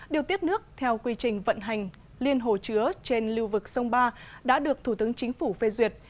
điều tiết nước theo quy trình vận hành liên hồ chứa trên lưu vực sông ba đã được thủ tướng chính phủ phê duyệt